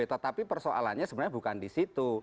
tetapi persoalannya sebenarnya bukan di situ